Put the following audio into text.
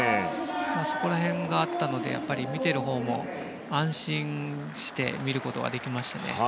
そこら辺があったのでやっぱり見ているほうも安心して見ることができましたね。